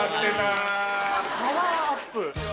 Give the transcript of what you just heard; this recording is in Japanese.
パワーアップ。